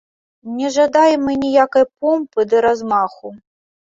Не жадаем мы ніякай помпы ды размаху.